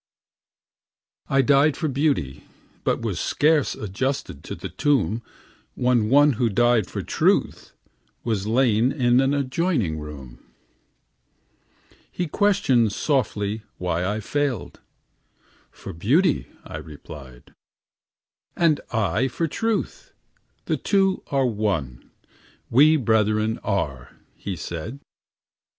I died for beauty, but was scarce Adjusted in the tomb, When one who died for truth was lain In an adjoining room. He questioned softly why I failed? "For beauty," I replied. "And I for truth, the two are one; We brethren are," he said.